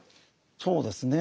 そうですね。